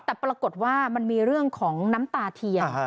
แต่ปรากฏว่ามันมีเรื่องของน้ำตาเทียน